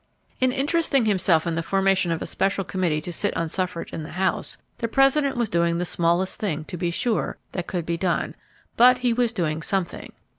In interesting himself in the formation of a special committee to sit on suffrage in the House, the President was doing the smallest thing, to be sure, that could be done, but he was doing something.